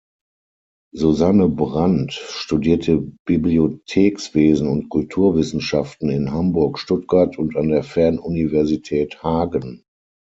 Susanne Brandt studierte Bibliothekswesen und Kulturwissenschaften in Hamburg, Stuttgart und an der Fernuniversität Hagen.